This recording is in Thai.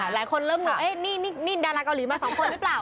หลายคนเริ่มงงนี่ดาราเกาหลีมา๒คนหรือเปล่า